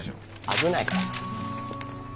危ないからそれ。